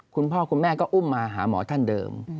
คุณพ่อคุณแม่ก็อุ้มมาหาหมอท่านเดิม